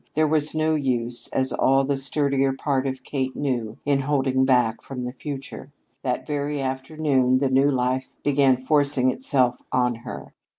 There was no use, as all the sturdier part of Kate knew, in holding back from the future. That very afternoon the new life began forcing itself on her.